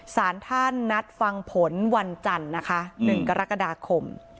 สารท่านนัดฟังผลวันจันทร์นะคะ๑กรกฎาคม